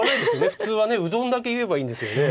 普通は「うどん」だけ言えばいいんですよね。